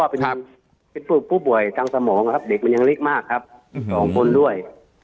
เป็นผู้ป่วยทางสมองครับเด็กมันยังเล็กมากครับ๒คนด้วย